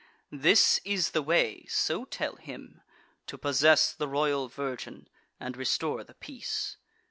This is the way (so tell him) to possess The royal virgin, and restore the peace.